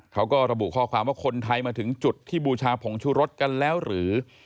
เขาก็ระบุข้อความว่าคนไทยมาถึงจุดที่บูชาผงชูรสกันแล้วหรือ